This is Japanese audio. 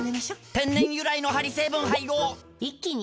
天然由来のハリ成分配合一気に！